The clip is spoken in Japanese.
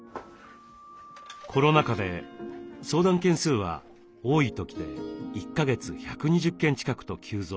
コロナ禍で相談件数は多い時で１か月１２０件近くと急増。